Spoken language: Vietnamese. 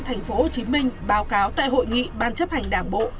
phó giám đốc công an tp hcm báo cáo tại hội nghị ban chấp hành đảng bộ